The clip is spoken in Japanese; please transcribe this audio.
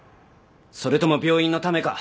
それとも病院のためか？